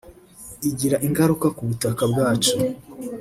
igira ingaruka k’ubutaka bwacu